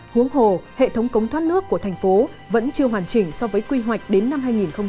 huống hồ hệ thống cống thoát nước của thành phố vẫn chưa hoàn chỉnh so với quy hoạch đến năm hai nghìn hai mươi